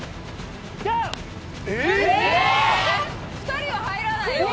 ２人は入らないよ。